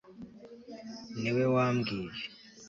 ni we wambwiye